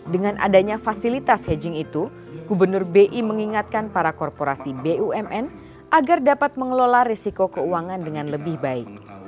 dengan adanya fasilitas hedging itu gubernur bi mengingatkan para korporasi bumn agar dapat mengelola risiko keuangan dengan lebih baik